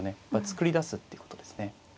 作り出すってことですね。